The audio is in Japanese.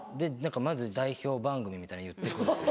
まず代表番組みたいなの言って行くんですよ。